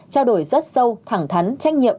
trao đổi rất sâu thẳng thắn trách nhiệm